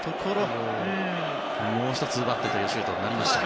もう１つ奪ってというシュートになりました。